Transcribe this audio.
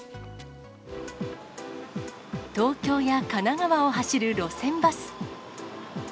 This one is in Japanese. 東京や神奈川を走る路線バス。